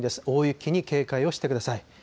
大雪に警戒をしてください。